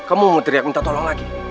kamu teriak minta tolong lagi